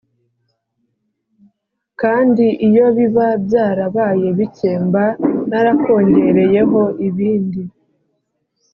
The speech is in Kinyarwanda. Kandi iyo biba byarabaye bike, mba narakongereyeho ibindi.